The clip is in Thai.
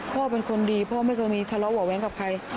พ่อเป็นคนดีพ่อไม่เคยมีทะเลาะเบาะแว้งกับใคร